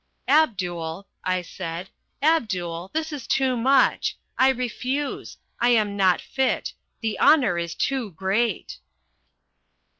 "Abdul," I said, "Abdul, this is too much. I refuse. I am not fit. The honour is too great."